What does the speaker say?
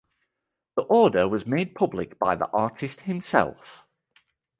The order was made public by the artist himself.